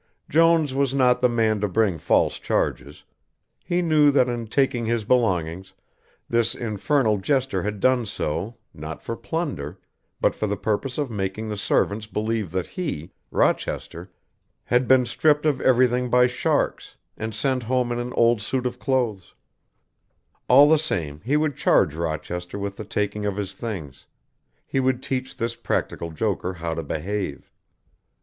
Jones was not the man to bring false charges. He knew that in taking his belongings, this infernal jester had done so, not for plunder, but for the purpose of making the servants believe that he, Rochester, had been stripped of everything by sharks, and sent home in an old suit of clothes; all the same he would charge Rochester with the taking of his things, he would teach this practical joker how to behave.